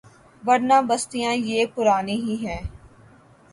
ورنہ بستیاں یہ پرانی ہی ہیں۔